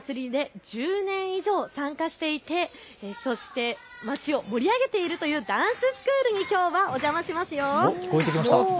そのお祭りで１０年以上参加していて、そして街を盛り上げているというダンススクールにきょうはお邪魔します。